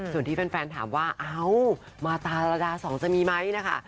ส่วนที่แฟนถามว่าเอ้ามาตาระดาสองจะมีไหมนะคะ